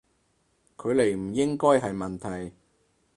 距離唔應該係問題